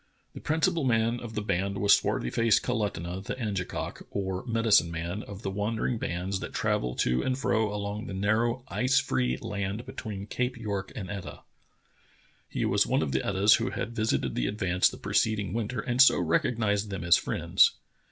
The principal man of the band was swarthy faced Kalutunah, the Angekok, or medicine man, of the wandering bands that travel to and fro along the narrow, ice free land between Cape York and Etah. He was one of the Etahs who had visited the Advance the preceding winter and so rec ognized them as friends.